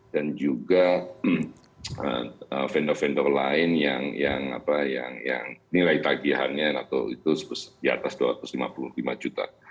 juga vendor vendor lain yang nilai tagihannya itu di atas dua ratus lima puluh lima juta